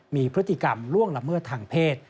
มีพฤติกรรมล่วงละเมิดทางเพศ